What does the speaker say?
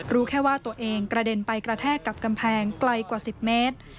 รู้แค่ว่าตัวเองกระเด็นไปกระแทกกับกำแพงไกลกว่า๑๐เมตร